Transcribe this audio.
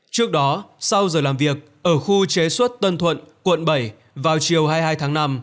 trước đó sau giờ làm việc ở khu chế xuất tân thuận quận bảy vào chiều hai mươi hai tháng năm